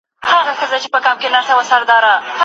په لویه جرګه کي د بحث له پاره څه وړاندي کېږي؟